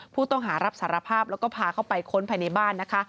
ผู้ต้องหารับสารภาพแล้วก็พาเข้าไปค้นภายในบ้านนะคะ